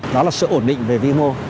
đó là sự ổn định về vi mô